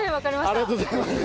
ありがとうございます。